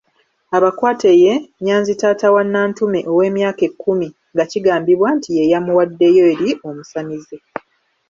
Abakwate ye; Nyanzi taata wa Nantume ow’emyaka ekkumi nga kigambibwa nti ye yamuwaddeyo eri omusamize.